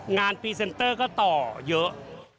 พรีเซนเตอร์ก็ต่อเยอะ